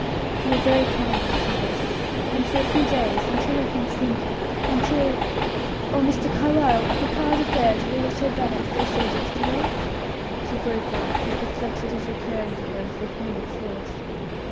"You are very kind," she faltered; "and for a few days; until I can think; until Oh, Mr. Carlyle, are papa's affairs really so bad as they said yesterday?" she broke off, her perplexities recurring to her with vehement force.